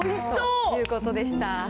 ということでした。